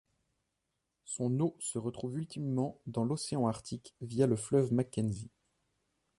Son eau se retrouve ultimement dans l'océan Arctique via le fleuve Mackenzie.